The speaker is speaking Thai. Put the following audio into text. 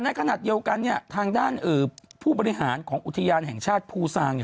ในขณะเดียวกันเนี่ยทางด้านผู้บริหารของอุทยานแห่งชาติภูซางเนี่ย